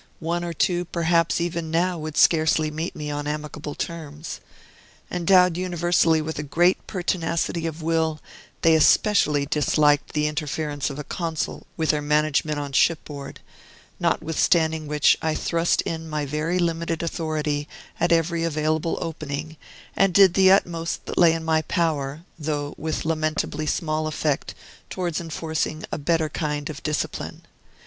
One or two, perhaps, even now, would scarcely meet me on amicable terms. Endowed universally with a great pertinacity of will, they especially disliked the interference of a consul with their management on shipboard; notwithstanding which I thrust in my very limited authority at every available opening, and did the utmost that lay in my power, though with lamentably small effect, towards enforcing a better kind of discipline.